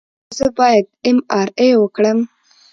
ایا زه باید ایم آر آی وکړم؟